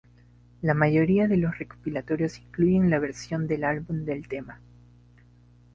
La mayoría de los recopilatorios incluyen la versión del álbum del tema.